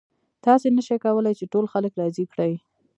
تاسې نشئ کولی چې ټول خلک راضي کړئ.